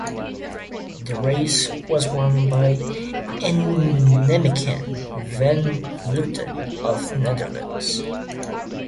The race was won by Annemiek van Vleuten of Netherlands.